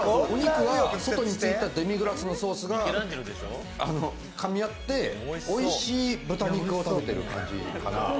お肉は外についたデミグラスソースがかみ合って、おいしい豚肉を食べてる感じ。